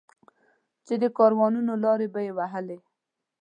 چې د کاروانونو لارې به یې وهلې.